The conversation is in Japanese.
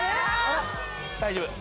大丈夫。